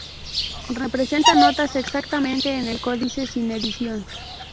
Representa notas exactamente en el códice, sin edición.